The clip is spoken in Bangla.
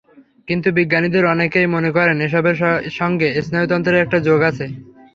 কিন্তু বিজ্ঞানীদের অনেকেই মনে করেন এসবের সঙ্গে স্নায়ুতন্ত্রের একটা যোগ আছে।